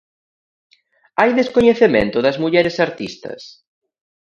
Hai descoñecemento das mulleres artistas?